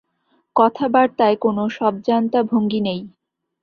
কথাবার্তায় কোনো সবজান্তা ভঙ্গি নেই।